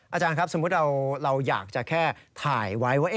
อาจารย์ครับสมมุติเราอยากจะแค่ถ่ายไว้ว่า